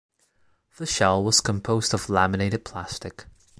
The shell was composed of laminated plastic.